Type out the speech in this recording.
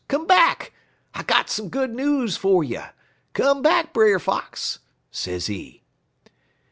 Come back! I got some good news fer you. Come back, Brer Fox,' sezee.